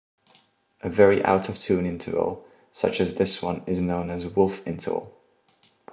A very out-of-tune interval such as this one is known as a "wolf interval".